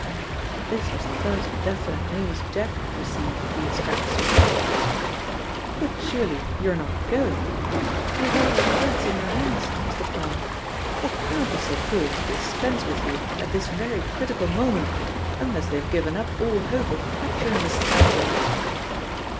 This was the first definite news Jack had received of the inspector's retirement. "But surely you're not going? You have all the threads in your hands, Mr. Parr. They can't be so foolish as to dispense with you at this very critical moment unless they have given up all hope of capturing the scoundrel."